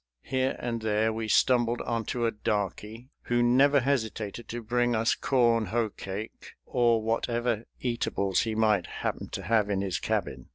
Here and there we stumbled onto a darkey, who never hesitated to bring us corn hoe cake or whatever eatables he might happen to have in his cabin.